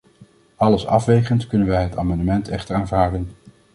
Alles afwegend kunnen wij het amendement echter aanvaarden.